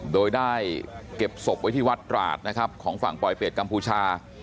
โดยได้เก็บศพไว้ที่วัดตราดนะครับของฝั่งปลอยเป็ดกัมพูชา